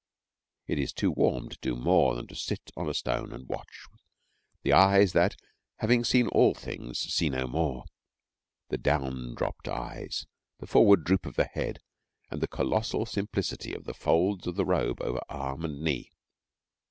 It is too warm to do more than to sit on a stone and watch the eyes that, having seen all things, see no more the down dropped eyes, the forward droop of the head, and the colossal simplicity of the folds of the robe over arm and knee.